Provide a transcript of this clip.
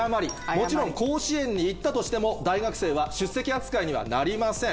もちろん甲子園に行ったとしても大学生は出席扱いにはなりません。